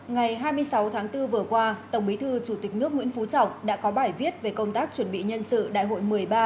ngày hai mươi sáu tháng bốn vừa qua tổng bí thư chủ tịch nước nguyễn phú trọng đã có bài viết về công tác chuẩn bị nhân sự đại hội một mươi ba